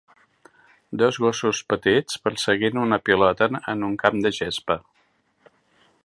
Dos gossos petits perseguint una pilota en un camp de gespa